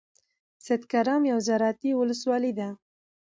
سیدکرم یوه زرعتی ولسوالۍ ده.